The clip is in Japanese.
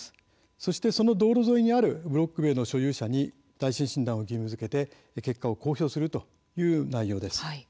そしてその道路沿いにあるブロック塀の所有者に耐震診断を義務づけて結果を公表するという内容です。